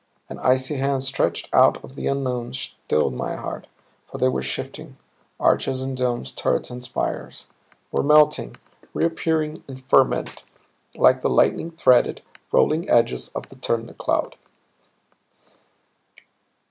An icy hand stretched out of the unknown, stilled my heart. For they were shifting arches and domes, turrets and spires; were melting, reappearing in ferment; like the lightning threaded, rolling edges of the thundercloud.